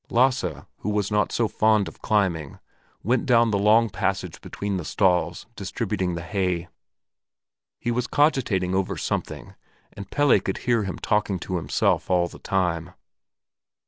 Lasse, who was not so fond of climbing, went down the long passage between the stalls distributing the hay. He was cogitating over something, and Pelle could hear him talking to himself all the time.